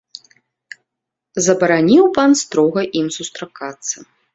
Забараніў пан строга ім сустракацца.